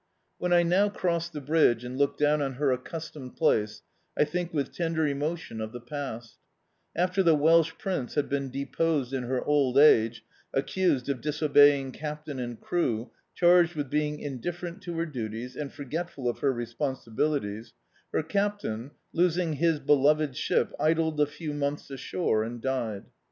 When I now cross the bridge and look down on her accustomed place, I think with tender emotion of the pasL After the Welsh Prince had been deposed in her old age, accused of disobeying captain and crew, charged with being indifferent to her duties, and for getful of her responsibilities — her captain, losing his beloved ship, idled a few months ashore and died.